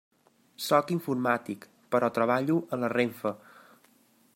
Sóc informàtic, però treballo a la RENFE.